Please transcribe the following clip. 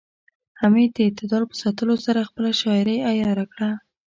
حمید د اعتدال په ساتلو سره خپله شاعرۍ عیاره کړه